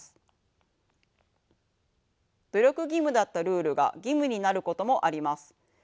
努力義務だったルールが義務になることもあります。